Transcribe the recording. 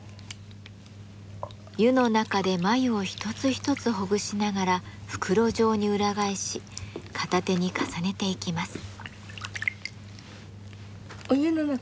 湯の中で繭を一つ一つほぐしながら袋状に裏返し片手に重ねていきます。